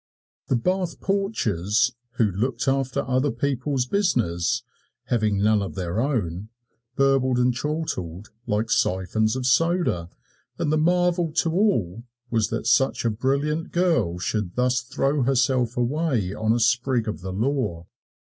The Bath porchers who looked after other people's business, having none of their own, burbled and chortled like siphons of soda, and the marvel to all was that such a brilliant girl should thus throw herself away on a sprig of the law.